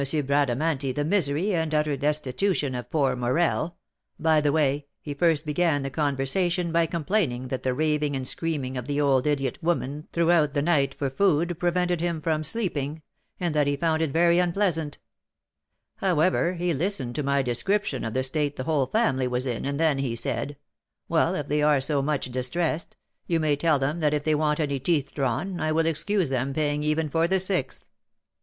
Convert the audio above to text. Bradamanti the misery and utter destitution of poor Morel by the way, he first began the conversation by complaining that the raving and screaming of the old idiot woman throughout the night for food prevented him from sleeping, and that he found it very unpleasant; however, he listened to my description of the state the whole family was in, and then he said, 'Well, if they are so much distressed, you may tell them that if they want any teeth drawn, I will excuse them paying even for the sixth.'"